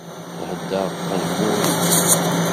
Thedder qejmuri!